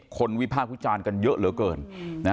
คนวิพากษ์คุชราญกันเยอะเหลือเกิน